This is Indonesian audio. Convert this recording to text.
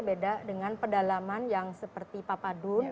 beda dengan pedalaman yang seperti papadun